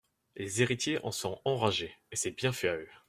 Les héritiers en sont enragés, et c'est bien fait à eux.